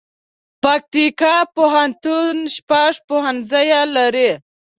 پکتیکا پوهنتون شپږ پوهنځي لري